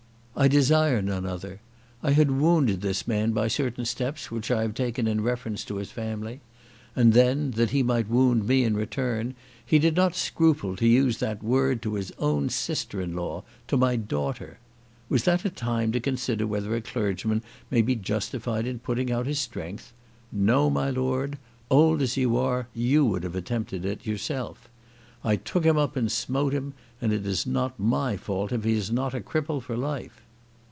I desire none other. I had wounded this man by certain steps which I have taken in reference to his family; and then, that he might wound me in return, he did not scruple, to use that word to his own sister in law, to my daughter. Was that a time to consider whether a clergyman may be justified in putting out his strength? No; my lord. Old as you are you would have attempted it yourself. I took him up and smote him, and it is not my fault if he is not a cripple for life."